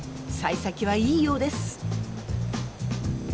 さい先はいいようです。